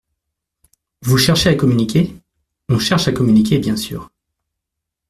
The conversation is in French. Vous cherchez à communiquer. On cherche à communiquer, bien sûr.